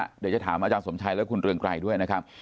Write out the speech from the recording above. เดี๋ยวจะถามอาจารย์สมชัยและคุณเรืองไกรด้วยนะครับ